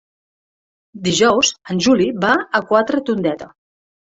Dijous en Juli va a Quatretondeta.